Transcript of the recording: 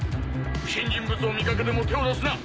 不審人物を見かけても手を出すな！